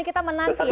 kita menanti ya